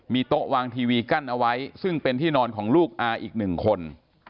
โต๊ะวางทีวีกั้นเอาไว้ซึ่งเป็นที่นอนของลูกอาอีกหนึ่งคน